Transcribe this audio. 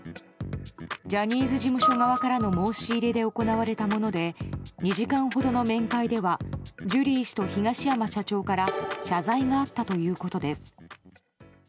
ジャニーズ事務所側からの申し入れで行われたもので２時間ほどの面会ではジュリー氏と東山社長から謝罪があったということです。